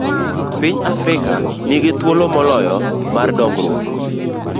A. Piny mar Afrika ni gi thuolo moloyo mar dongruok.